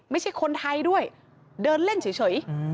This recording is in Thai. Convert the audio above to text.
ไม่ใช่คนไทยด้วยเดินเล่นเฉย